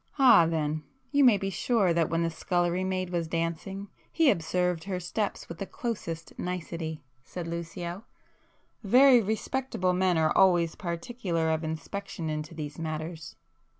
"Ah then, you may be sure that when the scullery maid was dancing, he observed her steps with the closest nicety;" said Lucio—"Very respectable men are always particular of inspection into these matters!